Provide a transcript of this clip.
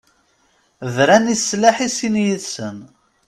Bran i slaḥ i sin yid-sen.